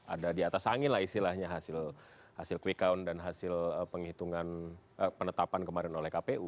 ada di atas angin lah istilahnya hasil quick count dan hasil penetapan kemarin oleh kpu